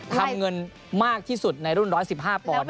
ทำเงินมากที่สุดในรุ่น๑๑๕ปอนด